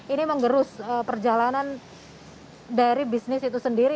ini mengerus perjalanan dari bisnis itu sendiri